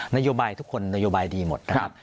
นโยบายทุกคนนโยบายดีหมดนะครับ